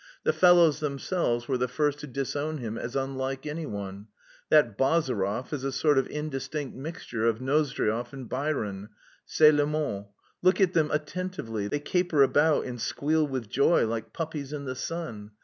The fellows themselves were the first to disown him as unlike anyone. That Bazarov is a sort of indistinct mixture of Nozdryov and Byron, c'est le mot. Look at them attentively: they caper about and squeal with joy like puppies in the sun.